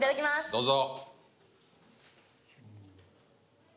どうぞ。